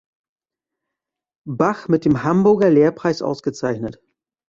Bach" mit dem Hamburger Lehrpreis ausgezeichnet.